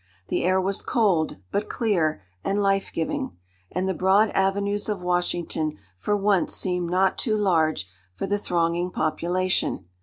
The air was cold, but clear and life giving, and the broad avenues of Washington for once seemed not too large for the thronging population.